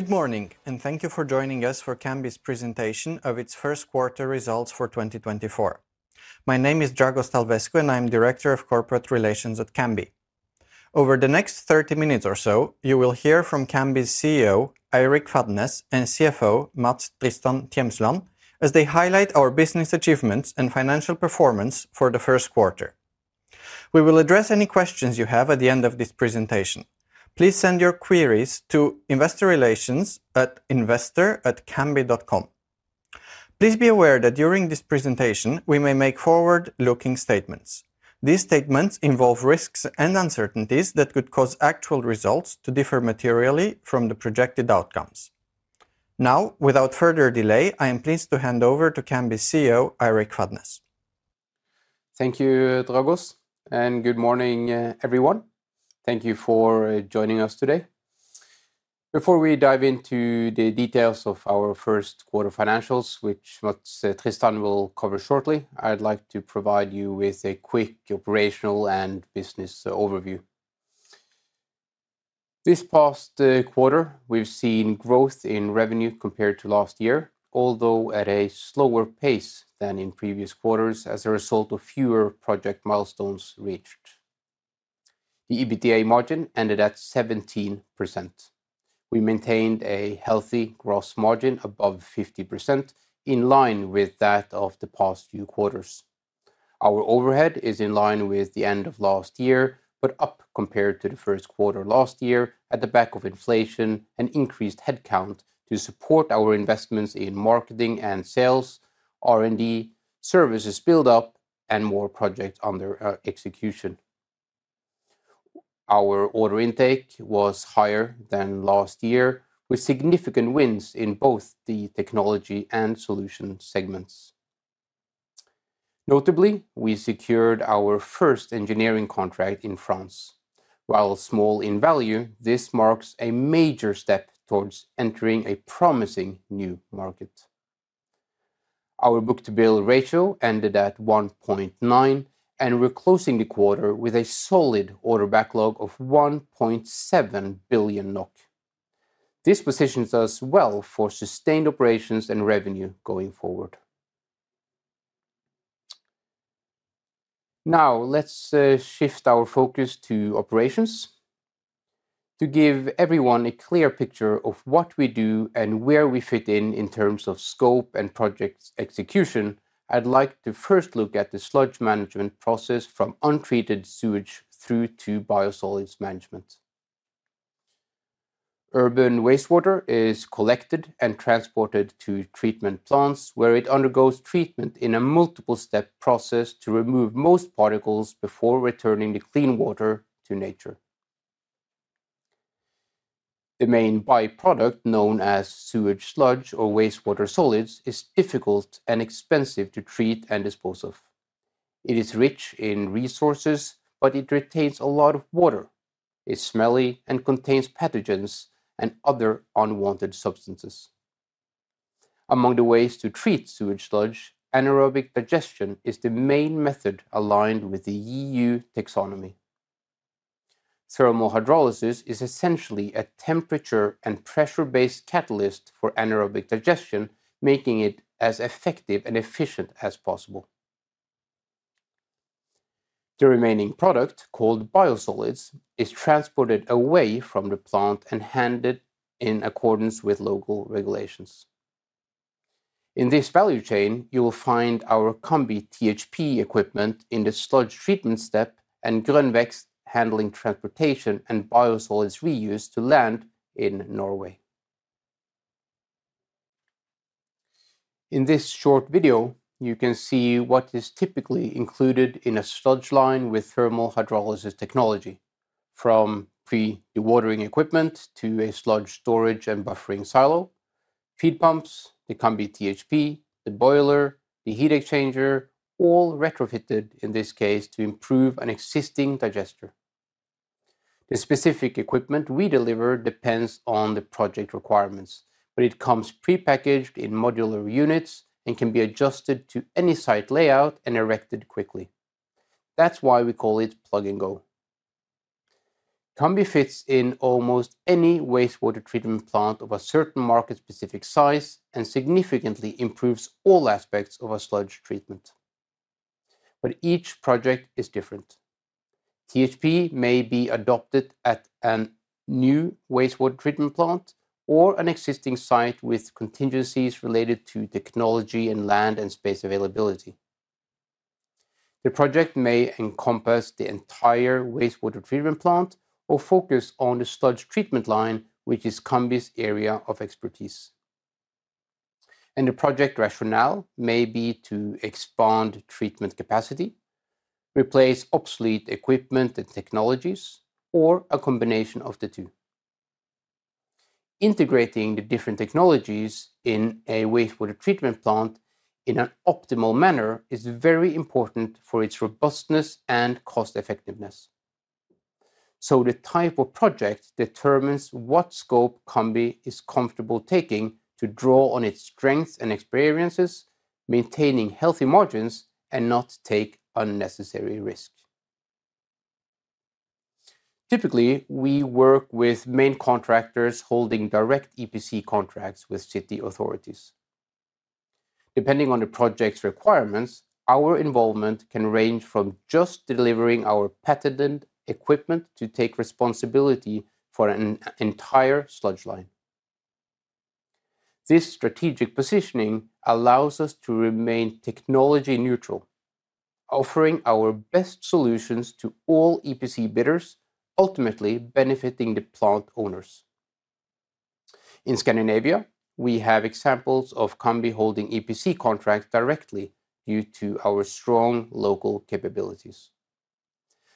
Good morning, and thank you for joining us for Cambi's presentation of its first quarter results for 2024. My name is Dragos Talvescu, and I'm Director of Corporate Relations at Cambi. Over the next 30 minutes or so, you will hear from Cambi's CEO, Eirik Fadnes, and CFO, Mats Tristan Tjemsland, as they highlight our business achievements and financial performance for the first quarter. We will address any questions you have at the end of this presentation. Please send your queries to Investor Relations at investor@cambi.com. Please be aware that during this presentation, we may make forward-looking statements. These statements involve risks and uncertainties that could cause actual results to differ materially from the projected outcomes. Now, without further delay, I am pleased to hand over to Cambi CEO, Eirik Fadnes. Thank you, Dragos, and good morning, everyone. Thank you for joining us today. Before we dive into the details of our first quarter financials, which Mats Tristan will cover shortly, I'd like to provide you with a quick operational and business overview. This past quarter, we've seen growth in revenue compared to last year, although at a slower pace than in previous quarters as a result of fewer project milestones reached. The EBITDA margin ended at 17%. We maintained a healthy gross margin above 50%, in line with that of the past few quarters. Our overhead is in line with the end of last year, but up compared to the first quarter last year at the back of inflation and increased headcount to support our investments in marketing and sales, R&D, services build-up, and more projects under execution. Our order intake was higher than last year, with significant wins in both the technology and solution segments. Notably, we secured our first engineering contract in France. While small in value, this marks a major step towards entering a promising new market. Our book-to-bill ratio ended at 1.9x, and we're closing the quarter with a solid order backlog of 1.7 billion NOK. This positions us well for sustained operations and revenue going forward. Now, let's shift our focus to operations. To give everyone a clear picture of what we do and where we fit in, in terms of scope and project execution, I'd like to first look at the sludge management process from untreated sewage through to biosolids management. Urban wastewater is collected and transported to treatment plants, where it undergoes treatment in a multiple-step process to remove most particles before returning the clean water to nature. The main by-product, known as sewage sludge or wastewater solids, is difficult and expensive to treat and dispose of. It is rich in resources, but it retains a lot of water, is smelly, and contains pathogens and other unwanted substances. Among the ways to treat sewage sludge, anaerobic digestion is the main method aligned with the EU Taxonomy. Thermal hydrolysis is essentially a temperature and pressure-based catalyst for anaerobic digestion, making it as effective and efficient as possible. The remaining product, called biosolids, is transported away from the plant and handled in accordance with local regulations. In this value chain, you will find our Cambi THP equipment in the sludge treatment step and Grønn Vekst handling transportation and biosolids reuse to land in Norway. In this short video, you can see what is typically included in a sludge line with thermal hydrolysis technology, from pre-dewatering equipment to a sludge storage and buffering silo, feed pumps, the Cambi THP, the boiler, the heat exchanger, all retrofitted in this case to improve an existing digester. The specific equipment we deliver depends on the project requirements, but it comes prepackaged in modular units and can be adjusted to any site layout and erected quickly. That's why we call it Plug & Go. Cambi fits in almost any wastewater treatment plant of a certain market-specific size and significantly improves all aspects of a sludge treatment. But each project is different. THP may be adopted at a new wastewater treatment plant or an existing site with contingencies related to technology and land and space availability. The project may encompass the entire wastewater treatment plant or focus on the sludge treatment line, which is Cambi's area of expertise. The project rationale may be to expand treatment capacity, replace obsolete equipment and technologies, or a combination of the two. Integrating the different technologies in a wastewater treatment plant in an optimal manner is very important for its robustness and cost-effectiveness. The type of project determines what scope Cambi is comfortable taking to draw on its strengths and experiences, maintaining healthy margins, and not take unnecessary risk. Typically, we work with main contractors holding direct EPC contracts with city authorities. Depending on the project's requirements, our involvement can range from just delivering our patented equipment to take responsibility for an entire sludge line. This strategic positioning allows us to remain technology neutral, offering our best solutions to all EPC bidders, ultimately benefiting the plant owners. In Scandinavia, we have examples of Cambi holding EPC contracts directly due to our strong local capabilities.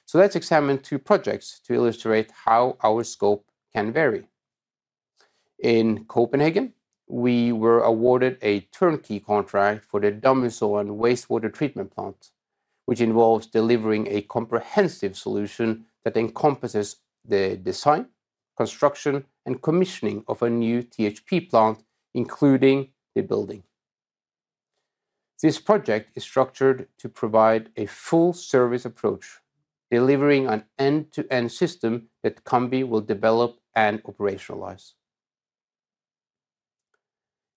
So let's examine two projects to illustrate how our scope can vary. In Copenhagen, we were awarded a turnkey contract for the Damhusåen Wastewater Treatment Plant, which involves delivering a comprehensive solution that encompasses the design, construction, and commissioning of a new THP plant, including the building. This project is structured to provide a full-service approach, delivering an end-to-end system that Cambi will develop and operationalize.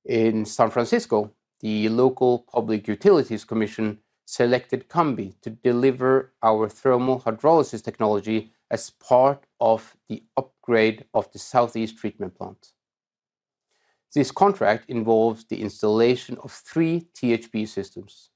In San Francisco, the local Public Utilities Commission selected Cambi to deliver our thermal hydrolysis technology as part of the upgrade of the Southeast Treatment Plant. This contract involves the installation of three THP systems.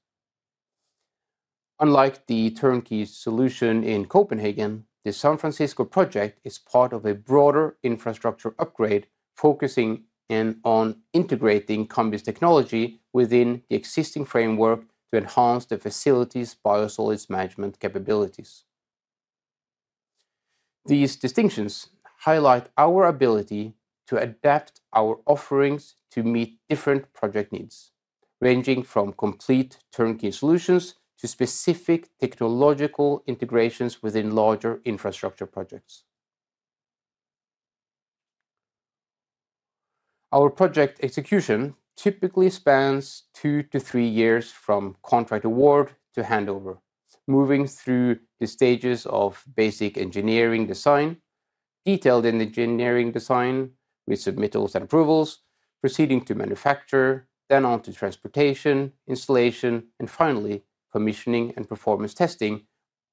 Unlike the turnkey solution in Copenhagen, the San Francisco project is part of a broader infrastructure upgrade, focusing in on integrating Cambi's technology within the existing framework to enhance the facility's biosolids management capabilities. These distinctions highlight our ability to adapt our offerings to meet different project needs, ranging from complete turnkey solutions to specific technological integrations within larger infrastructure projects. Our project execution typically spans two to three years from contract award to handover, moving through the stages of basic engineering design, detailed engineering design with submittals and approvals, proceeding to manufacture, then on to transportation, installation, and finally, commissioning and performance testing,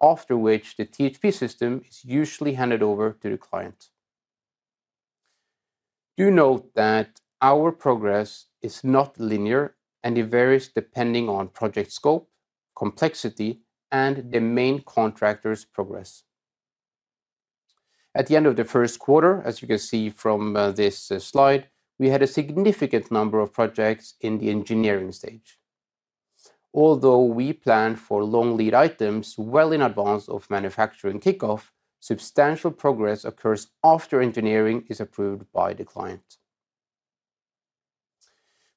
after which the THP system is usually handed over to the client. Do note that our progress is not linear, and it varies depending on project scope, complexity, and the main contractor's progress. At the end of the first quarter, as you can see from this slide, we had a significant number of projects in the engineering stage. Although we plan for long lead items well in advance of manufacturing kickoff, substantial progress occurs after engineering is approved by the client.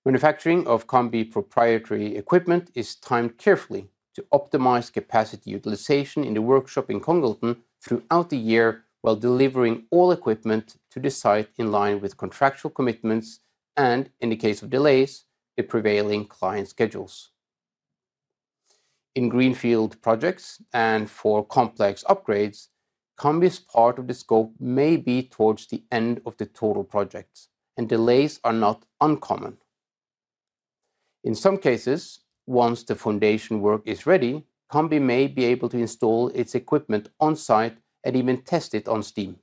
Manufacturing of Cambi proprietary equipment is timed carefully to optimize capacity utilization in the workshop in Kongsvinger throughout the year, while delivering all equipment to the site in line with contractual commitments and, in the case of delays, the prevailing client schedules. In greenfield projects and for complex upgrades, Cambi's part of the scope may be towards the end of the total project, and delays are not uncommon. In some cases, once the foundation work is ready, Cambi may be able to install its equipment on-site and even test it on steam.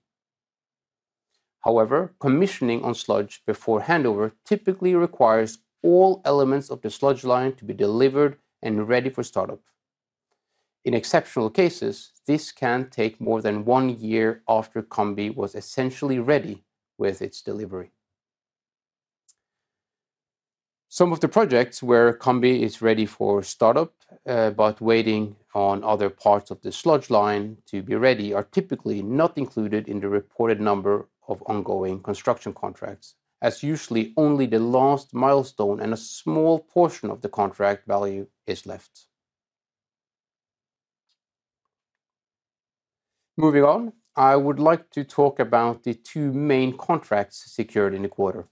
However, commissioning on sludge before handover typically requires all elements of the sludge line to be delivered and ready for startup. In exceptional cases, this can take more than one year after Cambi was essentially ready with its delivery. Some of the projects where Cambi is ready for startup, but waiting on other parts of the sludge line to be ready, are typically not included in the reported number of ongoing construction contracts, as usually only the last milestone and a small portion of the contract value is left. Moving on, I would like to talk about the two main contracts secured in the quarter.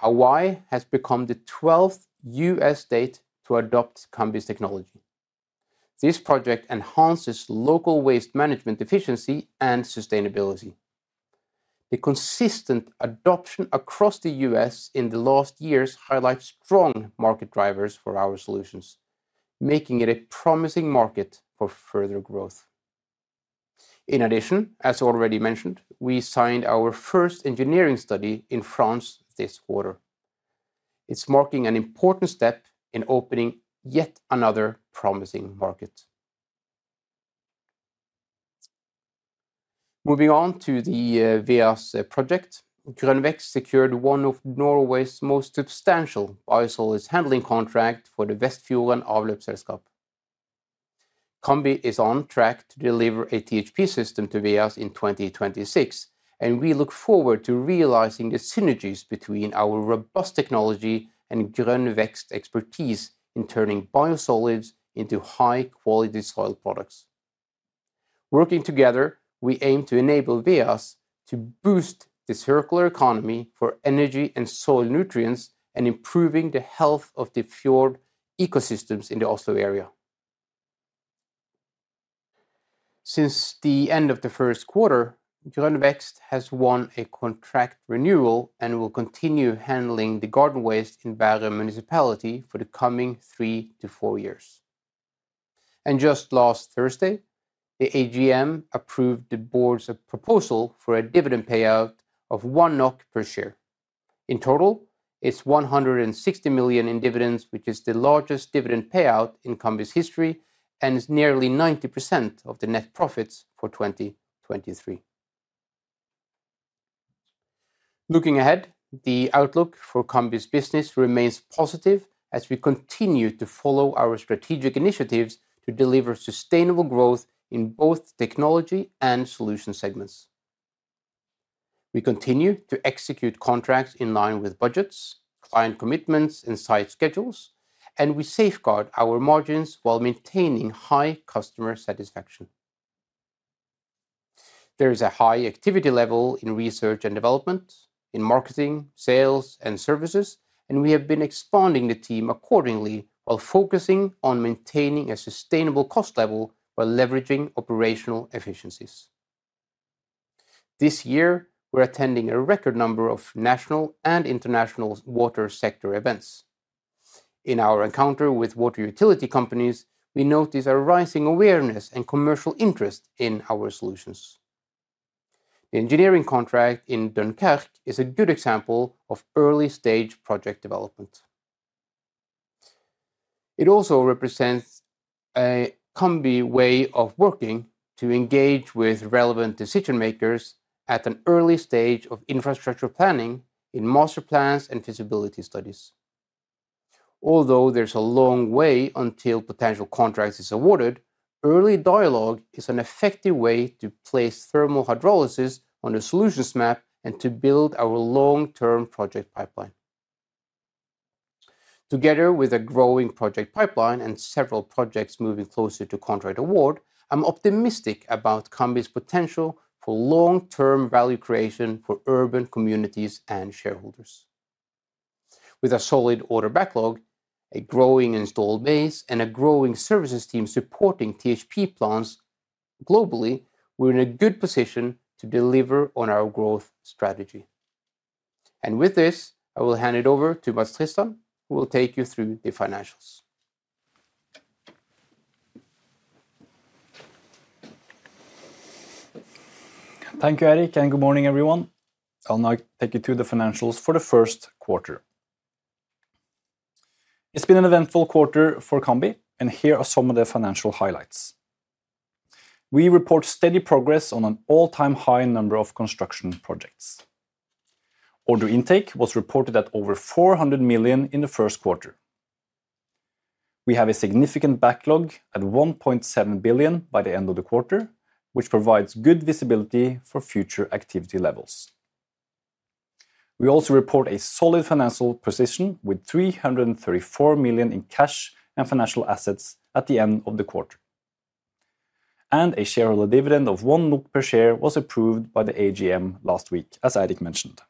Hawaii has become the twelfth U.S. state to adopt Cambi's technology. This project enhances local waste management efficiency and sustainability. The consistent adoption across the U.S. in the last years highlights strong market drivers for our solutions, making it a promising market for further growth. In addition, as already mentioned, we signed our first engineering study in France this quarter. It's marking an important step in opening yet another promising market. Moving on to the VEAS project, Grønn Vekst secured one of Norway's most substantial biosolids handling contract for the Vestfjorden Avløpsselskap. Cambi is on track to deliver a THP system to VEAS in 2026, and we look forward to realizing the synergies between our robust technology and Grønn Vekst expertise in turning biosolids into high-quality soil products. Working together, we aim to enable VEAS to boost the circular economy for energy and soil nutrients and improving the health of the fjord ecosystems in the Oslo area. Since the end of the first quarter, Grønn Vekst has won a contract renewal and will continue handling the garden waste in Bærum Municipality for the coming 3-4 years. And just last Thursday, the AGM approved the board's proposal for a dividend payout of 1 NOK per share. In total, it's 160 million in dividends, which is the largest dividend payout in Cambi's history and is nearly 90% of the net profits for 2023. Looking ahead, the outlook for Cambi's business remains positive as we continue to follow our strategic initiatives to deliver sustainable growth in both technology and solution segments. We continue to execute contracts in line with budgets, client commitments, and site schedules, and we safeguard our margins while maintaining high customer satisfaction. There is a high activity level in research and development, in marketing, sales, and services, and we have been expanding the team accordingly while focusing on maintaining a sustainable cost level by leveraging operational efficiencies. This year, we're attending a record number of national and international water sector events. In our encounter with water utility companies, we notice a rising awareness and commercial interest in our solutions. The engineering contract in Dunkirk is a good example of early-stage project development. It also represents a Cambi way of working to engage with relevant decision-makers at an early stage of infrastructure planning in master plans and feasibility studies. Although there's a long way until potential contracts is awarded, early dialogue is an effective way to place thermal hydrolysis on the solutions map and to build our long-term project pipeline. Together with a growing project pipeline and several projects moving closer to contract award, I'm optimistic about Cambi's potential for long-term value creation for urban communities and shareholders. With a solid order backlog, a growing installed base, and a growing services team supporting THP plans globally, we're in a good position to deliver on our growth strategy. With this, I will hand it over to Mats Tristan, who will take you through the financials. Thank you, Eirik, and good morning, everyone. I'll now take you through the financials for the first quarter. It's been an eventful quarter for Cambi, and here are some of the financial highlights. We report steady progress on an all-time high number of construction projects. Order intake was reported at over 400 million in the first quarter. We have a significant backlog at 1.7 billion by the end of the quarter, which provides good visibility for future activity levels. We also report a solid financial position with 334 million in cash and financial assets at the end of the quarter. A shareholder dividend of 1 NOK per share was approved by the AGM last week, as Eirik mentioned.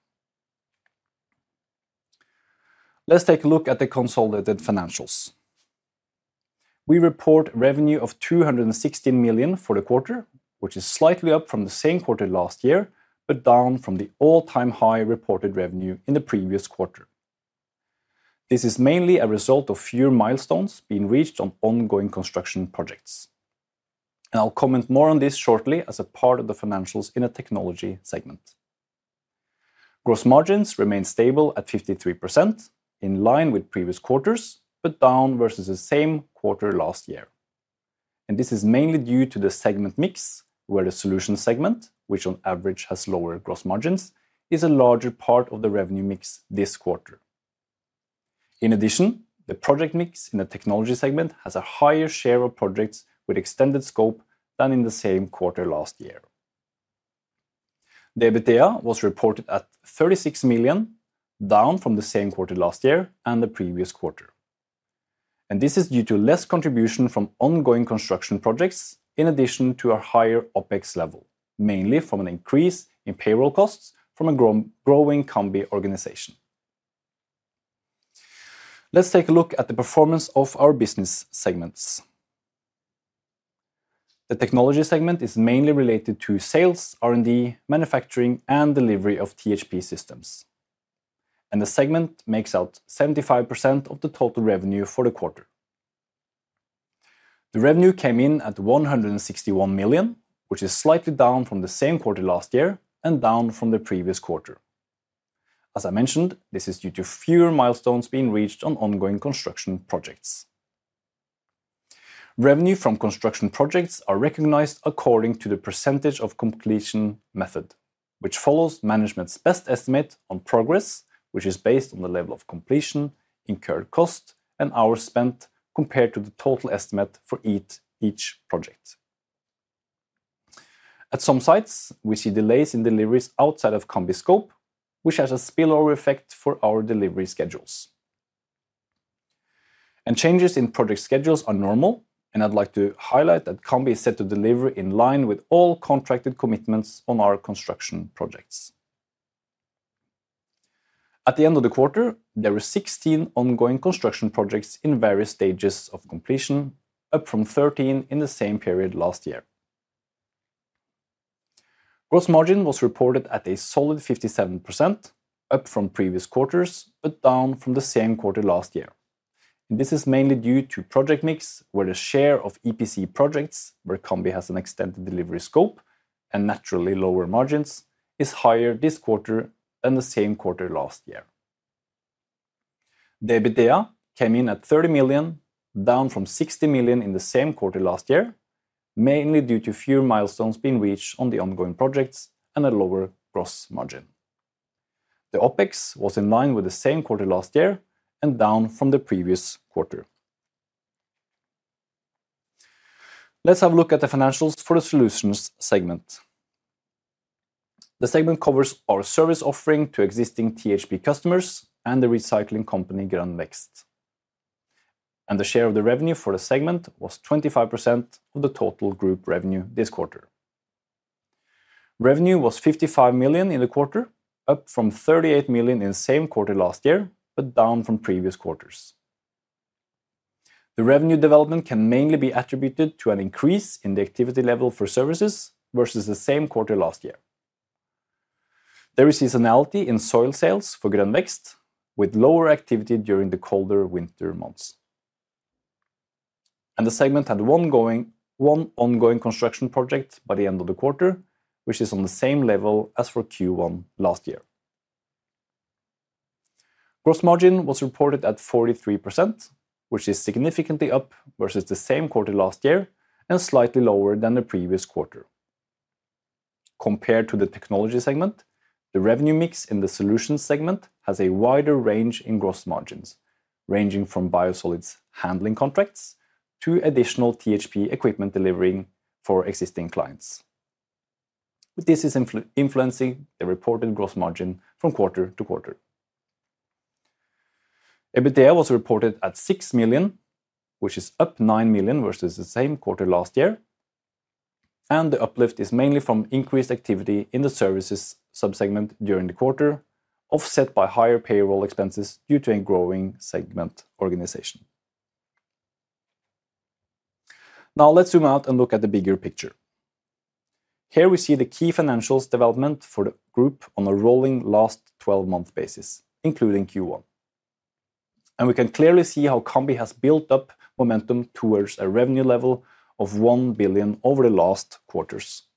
Let's take a look at the consolidated financials. We report revenue of 216 million for the quarter, which is slightly up from the same quarter last year, but down from the all-time high reported revenue in the previous quarter. This is mainly a result of fewer milestones being reached on ongoing construction projects. I'll comment more on this shortly as a part of the financials in a technology segment. Gross margins remain stable at 53%, in line with previous quarters, but down versus the same quarter last year. This is mainly due to the segment mix, where the solution segment, which on average has lower gross margins, is a larger part of the revenue mix this quarter. In addition, the project mix in the technology segment has a higher share of projects with extended scope than in the same quarter last year. The EBITDA was reported at 36 million, down from the same quarter last year and the previous quarter, and this is due to less contribution from ongoing construction projects, in addition to a higher OpEx level, mainly from an increase in payroll costs from a growing Cambi organization. Let's take a look at the performance of our business segments. The technology segment is mainly related to sales, R&D, manufacturing, and delivery of THP systems. The segment makes up 75% of the total revenue for the quarter. The revenue came in at 161 million, which is slightly down from the same quarter last year and down from the previous quarter. As I mentioned, this is due to fewer milestones being reached on ongoing construction projects. Revenue from construction projects are recognized according to the percentage-of-completion method, which follows management's best estimate on progress, which is based on the level of completion, incurred cost, and hours spent compared to the total estimate for each project. At some sites, we see delays in deliveries outside of Cambi scope, which has a spillover effect for our delivery schedules. Changes in project schedules are normal, and I'd like to highlight that Cambi is set to deliver in line with all contracted commitments on our construction projects. At the end of the quarter, there were 16 ongoing construction projects in various stages of completion, up from 13 in the same period last year. Gross margin was reported at a solid 57%, up from previous quarters, but down from the same quarter last year. This is mainly due to project mix, where the share of EPC projects, where Cambi has an extended delivery scope and naturally, lower margins, is higher this quarter than the same quarter last year. The EBITDA came in at 30 million, down from 60 million in the same quarter last year, mainly due to fewer milestones being reached on the ongoing projects and a lower gross margin. The OpEx was in line with the same quarter last year and down from the previous quarter. Let's have a look at the financials for the solutions segment. The segment covers our service offering to existing THP customers and the recycling company, Grønn Vekst. The share of the revenue for the segment was 25% of the total group revenue this quarter. Revenue was 55 million in the quarter, up from 38 million in the same quarter last year, but down from previous quarters. The revenue development can mainly be attributed to an increase in the activity level for services versus the same quarter last year. There is seasonality in soil sales for Grønn Vekst, with lower activity during the colder winter months. The segment had one ongoing construction project by the end of the quarter, which is on the same level as for Q1 last year. Gross margin was reported at 43%, which is significantly up versus the same quarter last year and slightly lower than the previous quarter. Compared to the technology segment, the revenue mix in the solutions segment has a wider range in gross margins, ranging from biosolids handling contracts to additional THP equipment delivering for existing clients. This is influencing the reported gross margin from quarter to quarter. EBITDA was reported at 6 million, which is up 9 million versus the same quarter last year, and the uplift is mainly from increased activity in the services sub-segment during the quarter, offset by higher payroll expenses due to a growing segment organization. Now, let's zoom out and look at the bigger picture. Here we see the key financials development for the group on a rolling last 12-month basis, including Q1. We can clearly see how Cambi has built up momentum towards a revenue level of 1 billion over the last quarters.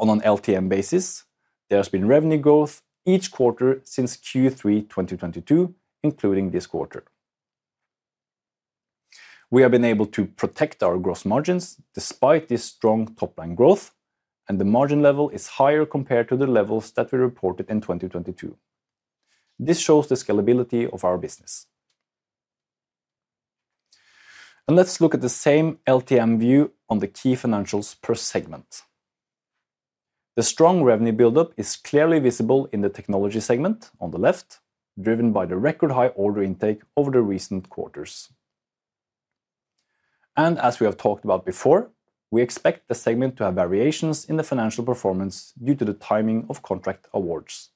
On an LTM basis, there has been revenue growth each quarter since Q3 2022, including this quarter. We have been able to protect our gross margins despite this strong top-line growth, and the margin level is higher compared to the levels that we reported in 2022. This shows the scalability of our business. And let's look at the same LTM view on the key financials per segment. The strong revenue buildup is clearly visible in the technology segment on the left, driven by the record-high order intake over the recent quarters. And as we have talked about before, we expect the segment to have variations in the financial performance due to the timing of contract awards.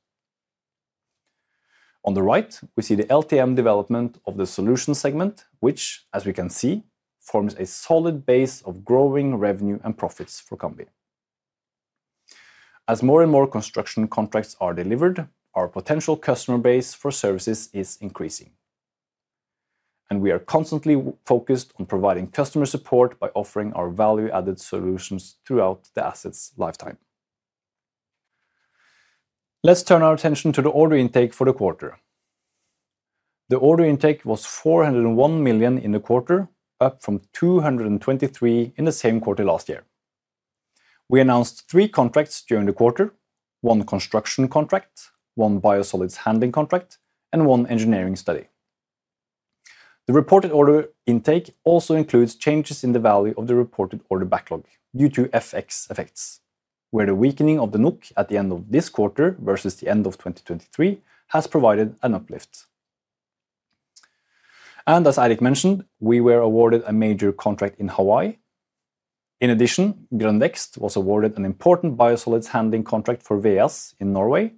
On the right, we see the LTM development of the solution segment, which, as we can see, forms a solid base of growing revenue and profits for Cambi. As more and more construction contracts are delivered, our potential customer base for services is increasing, and we are constantly focused on providing customer support by offering our value-added solutions throughout the assets' lifetime. Let's turn our attention to the order intake for the quarter. The order intake was 401 million in the quarter, up from 223 million in the same quarter last year. We announced three contracts during the quarter: one construction contract, one biosolids handling contract, and one engineering study. The reported order intake also includes changes in the value of the reported order backlog due to FX effects, where the weakening of the NOK at the end of this quarter versus the end of 2023 has provided an uplift. As Eirik mentioned, we were awarded a major contract in Hawaii. In addition, Grønn Vekst was awarded an important biosolids handling contract for VEAS in Norway,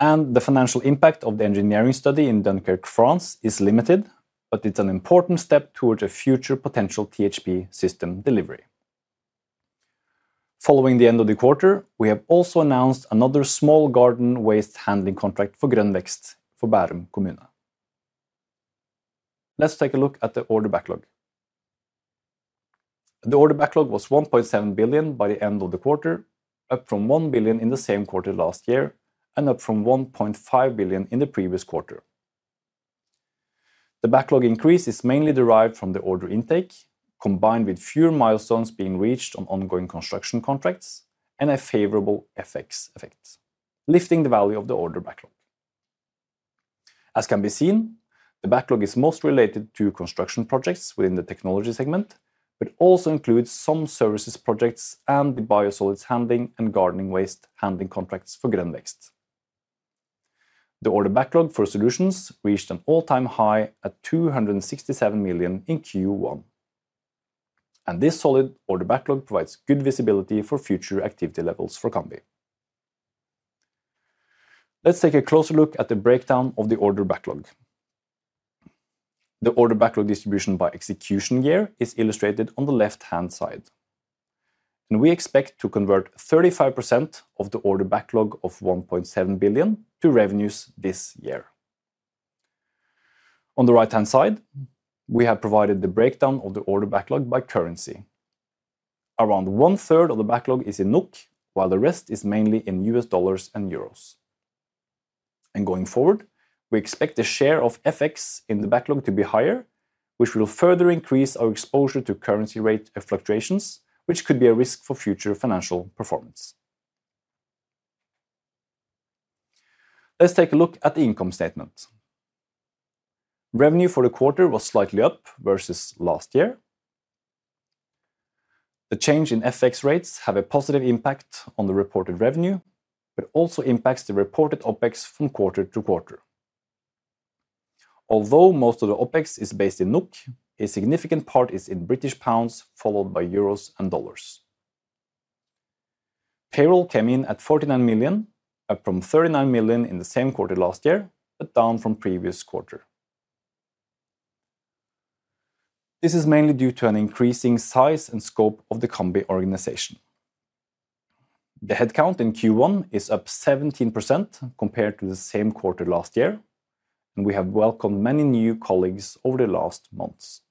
and the financial impact of the engineering study in Dunkirk, France, is limited, but it's an important step towards a future potential THP system delivery. Following the end of the quarter, we have also announced another small garden waste handling contract for Grønn Vekst for Bærum Kommune. Let's take a look at the order backlog. The order backlog was 1.7 billion by the end of the quarter, up from 1 billion in the same quarter last year and up from 1.5 billion in the previous quarter. The backlog increase is mainly derived from the order intake, combined with fewer milestones being reached on ongoing construction contracts and a favorable FX effect, lifting the value of the order backlog. As can be seen, the backlog is most related to construction projects within the technology segment, but also includes some services projects and the biosolids handling and gardening waste handling contracts for Grønn Vekst. The order backlog for solutions reached an all-time high at 267 million in Q1. This solid order backlog provides good visibility for future activity levels for Cambi. Let's take a closer look at the breakdown of the order backlog. The order backlog distribution by execution year is illustrated on the left-hand side, and we expect to convert 35% of the order backlog of 1.7 billion to revenues this year. On the right-hand side, we have provided the breakdown of the order backlog by currency. Around one-third of the backlog is in NOK, while the rest is mainly in U.S. dollars and euros. Going forward, we expect the share of FX in the backlog to be higher, which will further increase our exposure to currency rate fluctuations, which could be a risk for future financial performance. Let's take a look at the income statement. Revenue for the quarter was slightly up versus last year. The change in FX rates have a positive impact on the reported revenue, but also impacts the reported OpEx from quarter to quarter. Although most of the OpEx is based in NOK, a significant part is in British pounds, followed by euros and dollars. Payroll came in at 49 million, up from 39 million in the same quarter last year, but down from previous quarter. This is mainly due to an increasing size and scope of the Cambi organization. The headcount in Q1 is up 17% compared to the same quarter last year, and we have welcomed many new colleagues over the last months.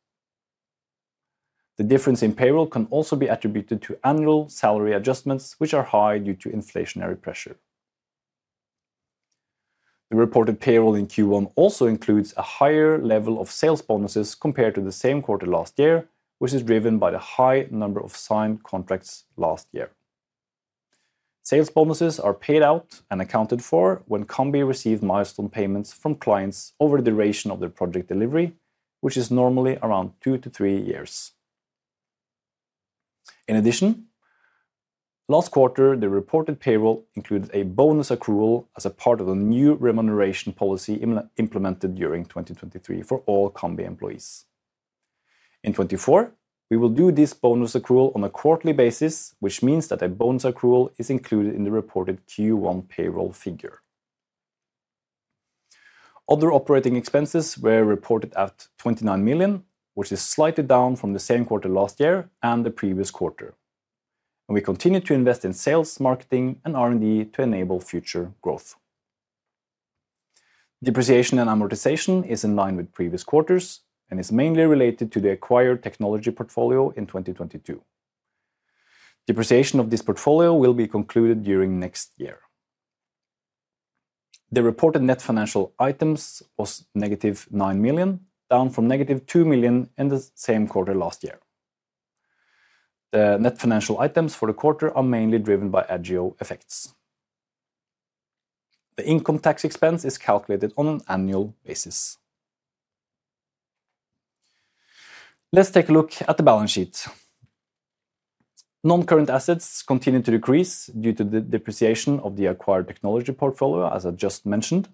The difference in payroll can also be attributed to annual salary adjustments, which are high due to inflationary pressure. The reported payroll in Q1 also includes a higher level of sales bonuses compared to the same quarter last year, which is driven by the high number of signed contracts last year. Sales bonuses are paid out and accounted for when Cambi receive milestone payments from clients over the duration of their project delivery, which is normally around two to three years. In addition, last quarter, the reported payroll included a bonus accrual as a part of a new remuneration policy implemented during 2023 for all Cambi employees. In 2024, we will do this bonus accrual on a quarterly basis, which means that a bonus accrual is included in the reported Q1 payroll figure. Other operating expenses were reported at 29 million, which is slightly down from the same quarter last year and the previous quarter. We continue to invest in sales, marketing, and R&D to enable future growth. Depreciation and amortization is in line with previous quarters and is mainly related to the acquired technology portfolio in 2022. Depreciation of this portfolio will be concluded during next year. The reported net financial items was -9 million, down from -2 million in the same quarter last year. The net financial items for the quarter are mainly driven by agio effects. The income tax expense is calculated on an annual basis. Let's take a look at the balance sheet. Non-current assets continued to decrease due to the depreciation of the acquired technology portfolio, as I just mentioned.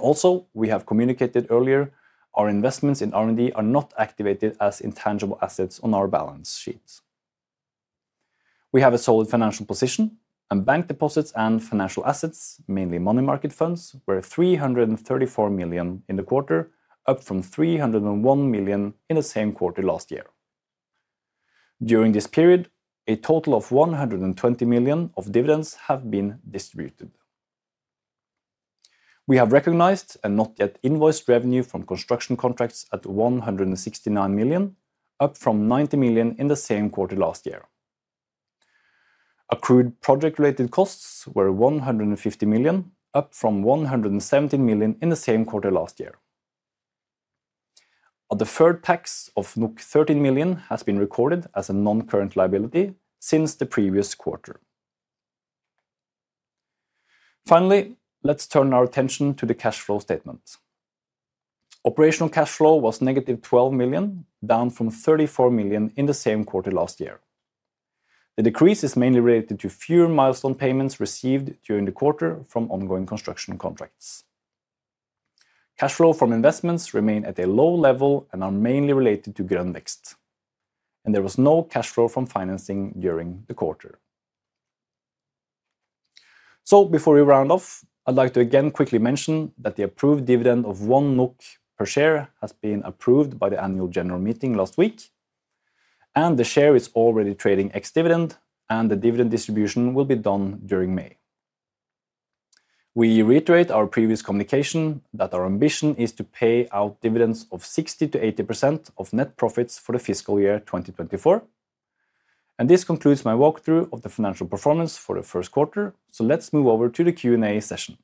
Also, we have communicated earlier, our investments in R&D are not activated as intangible assets on our balance sheet. We have a solid financial position, and bank deposits and financial assets, mainly money market funds, were 334 million in the quarter, up from 301 million in the same quarter last year. During this period, a total of 120 million of dividends have been distributed. We have recognized and not yet invoiced revenue from construction contracts at 169 million, up from 90 million in the same quarter last year. Accrued project-related costs were 150 million, up from 117 million in the same quarter last year. A deferred tax of 13 million has been recorded as a non-current liability since the previous quarter. Finally, let's turn our attention to the cash flow statement. Operational cash flow was negative 12 million, down from 34 million in the same quarter last year. The decrease is mainly related to fewer milestone payments received during the quarter from ongoing construction contracts. Cash flow from investments remain at a low level and are mainly related to Grønn Vekst, and there was no cash flow from financing during the quarter. So before we round off, I'd like to again quickly mention that the approved dividend of 1 NOK per share has been approved by the annual general meeting last week, and the share is already trading ex-dividend, and the dividend distribution will be done during May. We reiterate our previous communication that our ambition is to pay out dividends of 60%-80% of net profits for the fiscal year 2024. This concludes my walkthrough of the financial performance for the first quarter. Let's move over to the Q&A session.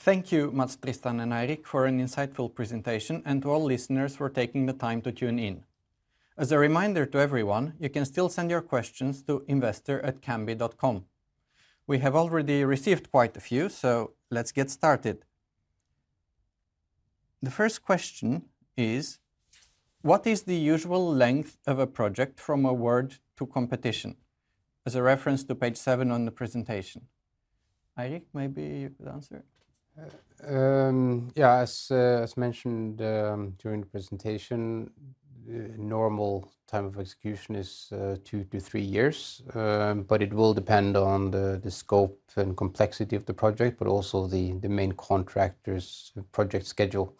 Thank you, Mats Tristan and Eirik, for an insightful presentation, and to all listeners for taking the time to tune in. As a reminder to everyone, you can still send your questions to investor@cambi.com. We have already received quite a few, so let's get started. The first question is: What is the usual length of a project from award to commissioning? As a reference to page seven on the presentation. Eirik, maybe you could answer it. Yeah, as mentioned, during the presentation, normal time of execution is two to three years, but it will depend on the scope and complexity of the project, but also the main contractor's project schedule.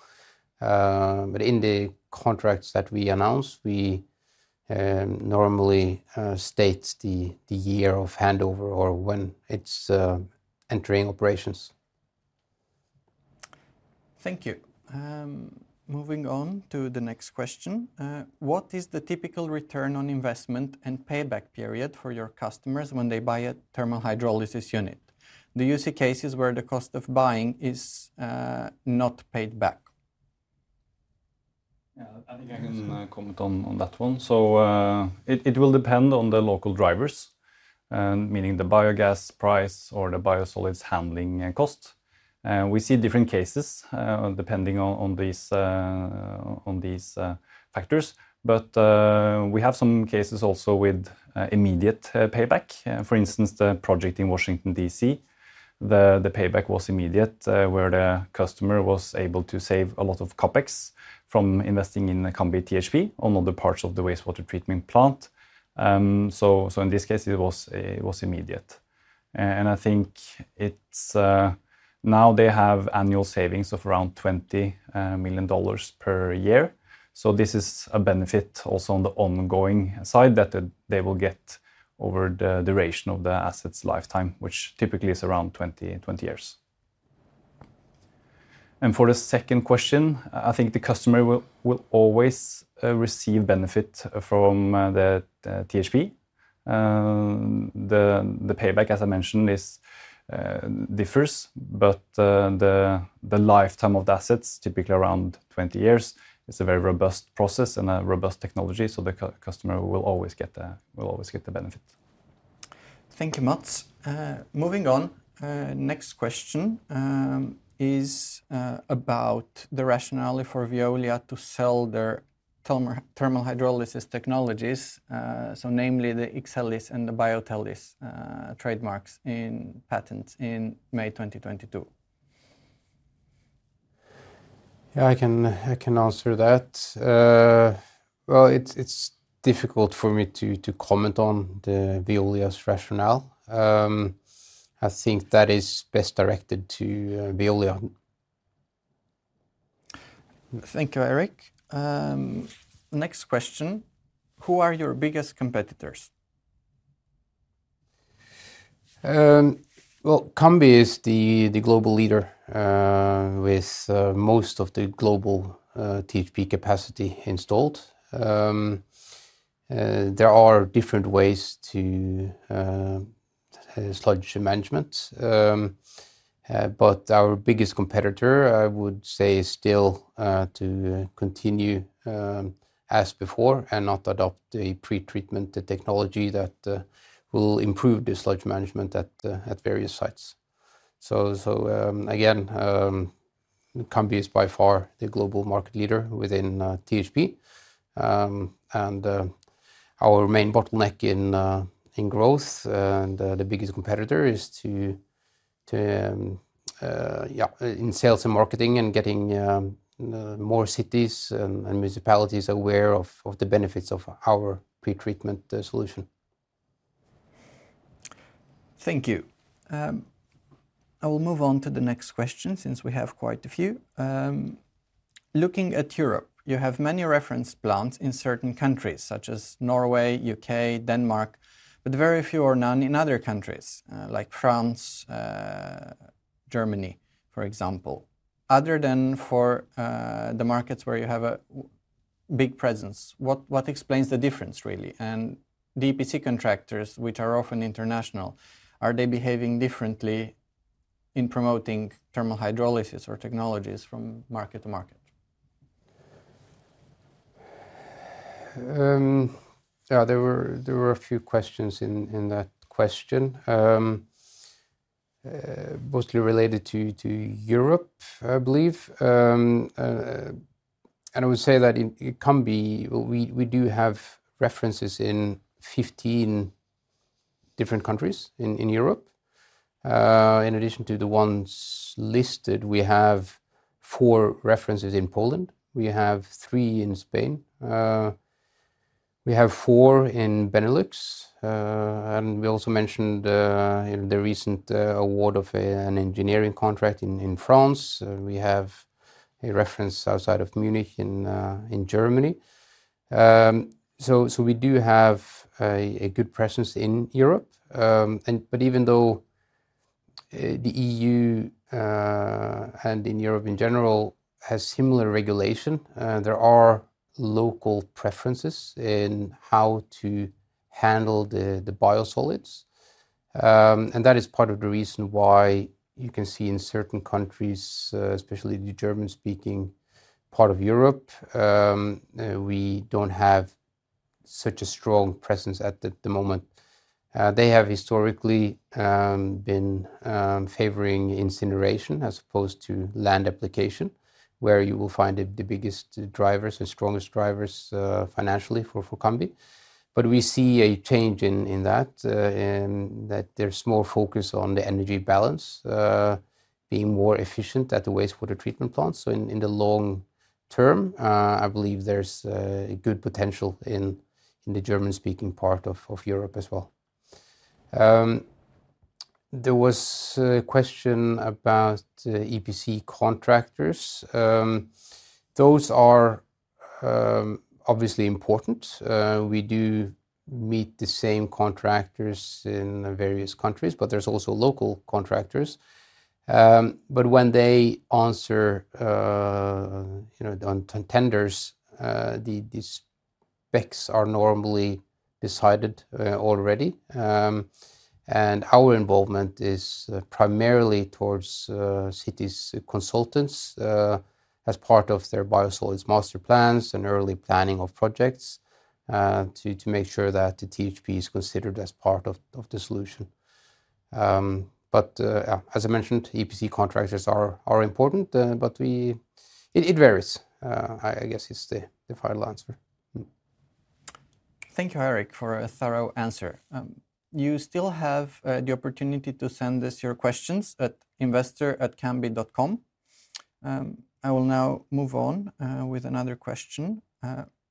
But in the contracts that we announce, we normally state the year of handover or when it's entering operations. Thank you. Moving on to the next question: What is the typical return on investment and payback period for your customers when they buy a thermal hydrolysis unit? Do you see cases where the cost of buying is not paid back? Yeah, I think I can comment on that one. So, it will depend on the local drivers, meaning the biogas price or the biosolids handling cost. We see different cases, depending on these factors. But, we have some cases also with immediate payback. For instance, the project in Washington, D.C., the payback was immediate, where the customer was able to save a lot of CapEx from investing in the Cambi THP on other parts of the wastewater treatment plant. So, in this case, it was immediate. And I think it's. Now they have annual savings of around $20 million per year. So this is a benefit also on the ongoing side that they will get over the duration of the asset's lifetime, which typically is around 20, 20 years. For the second question, I think the customer will always receive benefit from the THP. The payback, as I mentioned, is differs, but the lifetime of the asset is typically around 20 years. It's a very robust process and a robust technology, so the customer will always get the benefit. Thank you, Mats. Moving on, next question is about the rationale for Veolia to sell their thermal hydrolysis technologies, so namely the Exelys and the Biothelys, trademarks and patents in May 2022. Yeah, I can, I can answer that. Well, it's, it's difficult for me to, to comment on Veolia's rationale. I think that is best directed to Veolia. Thank you, Eirik. Next question: Who are your biggest competitors? Well, Cambi is the global leader with most of the global THP capacity installed. There are different ways to sludge management, but our biggest competitor, I would say, is still to continue as before and not adopt a pretreatment, the technology that will improve the sludge management at various sites. So, again, Cambi is by far the global market leader within THP. And our main bottleneck in growth and the biggest competitor is to, yeah, in sales and marketing and getting more cities and municipalities aware of the benefits of our pretreatment solution. Thank you. I will move on to the next question, since we have quite a few. Looking at Europe, you have many reference plants in certain countries, such as Norway, U.K., Denmark, but very few or none in other countries, like France, Germany, for example. Other than for the markets where you have a big presence, what, what explains the difference, really? And EPC contractors, which are often international, are they behaving differently in promoting thermal hydrolysis or technologies from market to market? Yeah, there were a few questions in that question, mostly related to Europe, I believe. And I would say that in Cambi, we do have references in 15 different countries in Europe. In addition to the ones listed, we have four references in Poland, we have three in Spain, we have four in Benelux, and we also mentioned the recent award of an engineering contract in France. We have a reference outside of Munich, in Germany. So we do have a good presence in Europe. But even though the EU and in Europe in general has similar regulation. There are local preferences in how to handle the biosolids. And that is part of the reason why you can see in certain countries, especially the German-speaking part of Europe, we don't have such a strong presence at the moment. They have historically been favoring incineration as opposed to land application, where you will find the biggest drivers, the strongest drivers, financially for Cambi. But we see a change in that there's more focus on the energy balance, being more efficient at the wastewater treatment plants. So in the long term, I believe there's a good potential in the German-speaking part of Europe as well. There was a question about EPC contractors. Those are obviously important. We do meet the same contractors in various countries, but there's also local contractors. But when they answer, you know, on tenders, the specs are normally decided already. And our involvement is primarily towards cities consultants as part of their biosolids master plans and early planning of projects to make sure that the THP is considered as part of the solution. But as I mentioned, EPC contractors are important, but it varies, I guess, is the final answer. Thank you, Eirik, for a thorough answer. You still have the opportunity to send us your questions at investor@cambi.com. I will now move on with another question.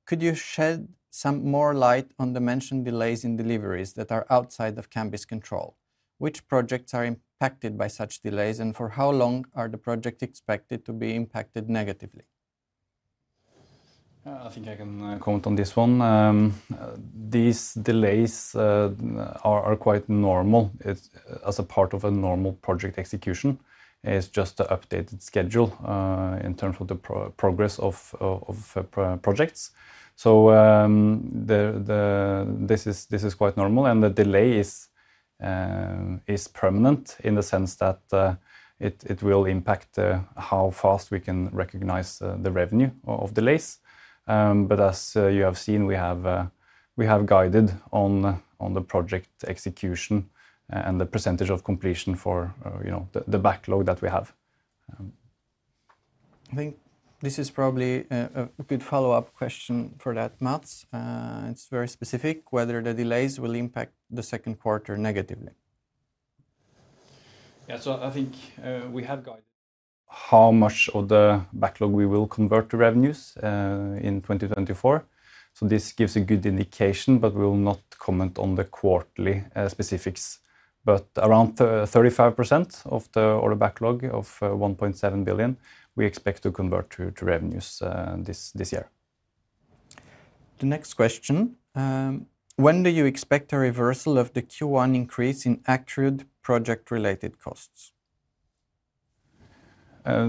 Could you shed some more light on the mentioned delays in deliveries that are outside of Cambi's control? Which projects are impacted by such delays, and for how long are the project expected to be impacted negatively? I think I can comment on this one. These delays are quite normal. It's as a part of a normal project execution. It's just an updated schedule in terms of the progress of projects. So, this is quite normal, and the delay is permanent in the sense that it will impact how fast we can recognize the revenue of delays. But as you have seen, we have guided on the project execution and the percentage of completion for, you know, the backlog that we have. I think this is probably a good follow-up question for that, Mats. It's very specific, whether the delays will impact the second quarter negatively. Yeah, so I think we have guided how much of the backlog we will convert to revenues in 2024. So this gives a good indication, but we will not comment on the quarterly specifics. But around 35% of the order backlog of 1.7 billion, we expect to convert to revenues this year. The next question: When do you expect a reversal of the Q1 increase in accrued project-related costs?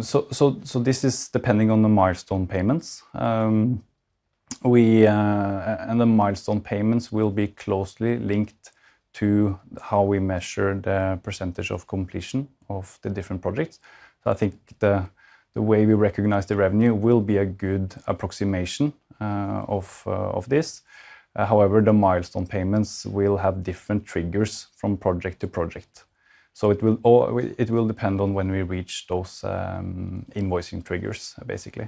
So this is depending on the milestone payments. We and the milestone payments will be closely linked to how we measure the percentage of completion of the different projects. So I think the way we recognize the revenue will be a good approximation of this. However, the milestone payments will have different triggers from project to project. So it will depend on when we reach those invoicing triggers, basically.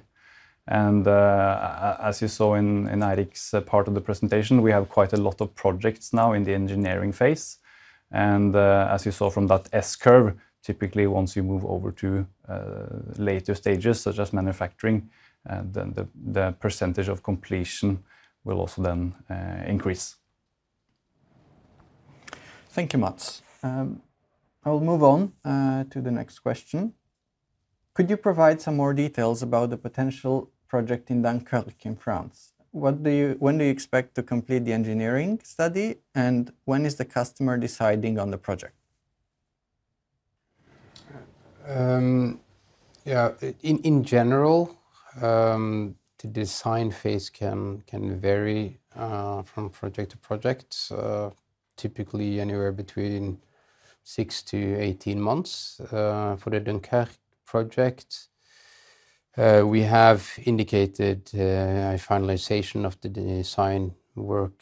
And as you saw in Eirik's part of the presentation, we have quite a lot of projects now in the engineering phase. And as you saw from that S-curve, typically, once you move over to later stages, such as manufacturing, then the percentage of completion will also then increase. Thank you, Mats. I will move on to the next question. Could you provide some more details about the potential project in Dunkirk in France? When do you expect to complete the engineering study, and when is the customer deciding on the project? Yeah, in general, the design phase can vary from project to project, typically anywhere between 6-18 months. For the Dunkirk project, we have indicated a finalization of the design work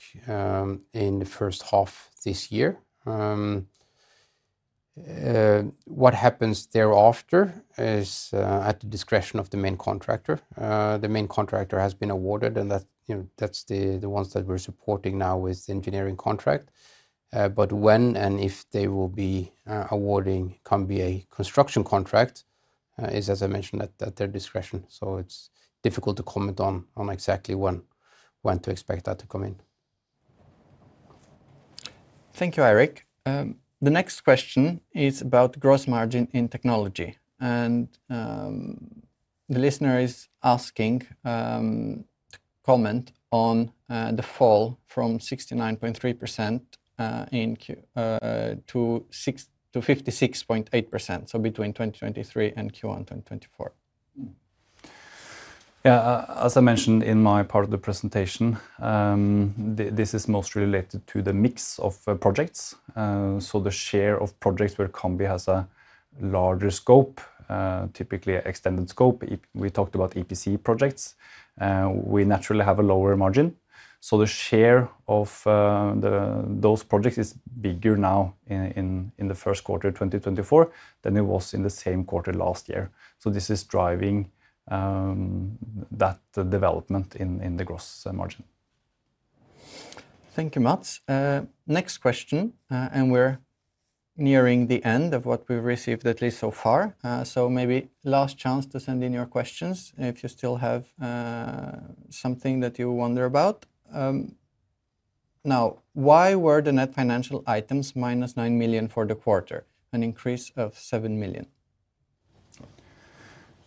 in the first half this year. What happens thereafter is at the discretion of the main contractor. The main contractor has been awarded, and that, you know, that's the ones that we're supporting now with the engineering contract. But when and if they will be awarding Cambi a construction contract is, as I mentioned, at their discretion. So it's difficult to comment on exactly when to expect that to come in. Thank you, Eirik. The next question is about gross margin in technology. The listener is asking to comment on the fall from 69.3% to 56.8%, so between 2023 and Q1 2024. Yeah, as I mentioned in my part of the presentation, this is mostly related to the mix of projects. So the share of projects where Cambi has a larger scope, typically extended scope, we talked about EPC projects, we naturally have a lower margin. So the share of those projects is bigger now in the first quarter of 2024 than it was in the same quarter last year. So this is driving that development in the gross margin. Thank you, Mats. Next question, and we're nearing the end of what we've received, at least so far. So maybe last chance to send in your questions if you still have something that you wonder about. Now, why were the net financial items -9 million for the quarter, an increase of 7 million?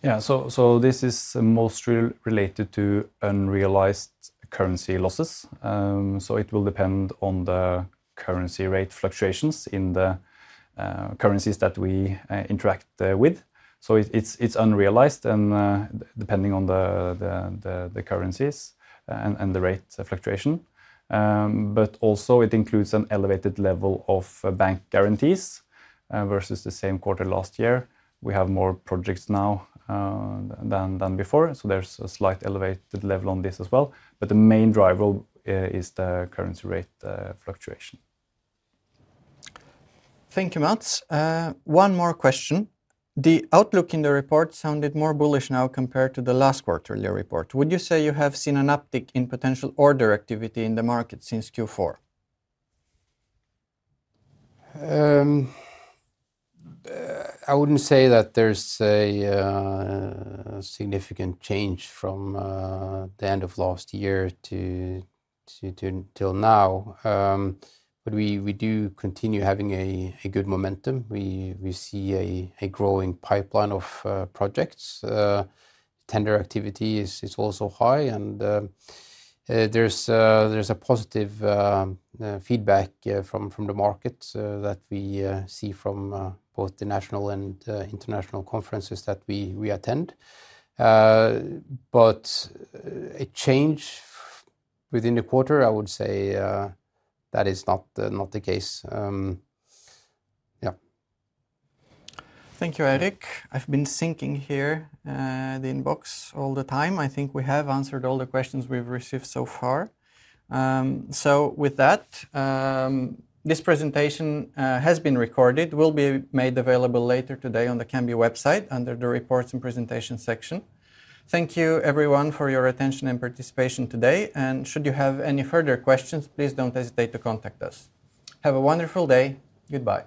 Yeah. So this is mostly related to unrealized currency losses. So it will depend on the currency rate fluctuations in the currencies that we interact with. So it's unrealized, and depending on the currencies and the rate fluctuation. But also it includes an elevated level of bank guarantees versus the same quarter last year. We have more projects now than before, so there's a slight elevated level on this as well. But the main driver is the currency rate fluctuation. Thank you, Mats. One more question. The outlook in the report sounded more bullish now compared to the last quarterly report. Would you say you have seen an uptick in potential order activity in the market since Q4? I wouldn't say that there's a significant change from the end of last year to till now. But we do continue having a good momentum. We see a growing pipeline of projects. Tender activity is also high, and there's a positive feedback from the market that we see from both the national and international conferences that we attend. But a change within the quarter, I would say, that is not the case. Yeah. Thank you, Eirik. I've been syncing here the inbox all the time. I think we have answered all the questions we've received so far. So with that, this presentation has been recorded, will be made available later today on the Cambi website under the Reports and Presentations section. Thank you everyone for your attention and participation today, and should you have any further questions, please don't hesitate to contact us. Have a wonderful day. Goodbye.